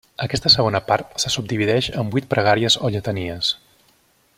Aquesta segona part se subdivideix en vuit pregàries o lletanies.